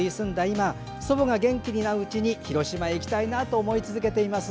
今祖母が元気なうちに広島に行き続けたいなと思っています。